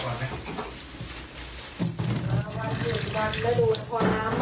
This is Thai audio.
หลายวันหยุดวันได้โดนคอน้ำมาแล้วป่ะ